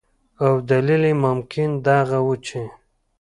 او دلیل یې ممکن دغه ؤ چې